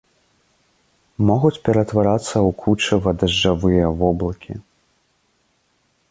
Могуць ператварацца ў кучава-дажджавыя воблакі.